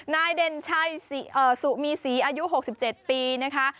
เด่นชัยสุมีศรีอายุ๖๗ปีนะคะ